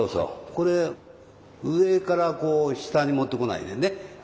これ上からこう下に持ってこないでね。